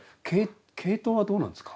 「毛糸」はどうなんですか？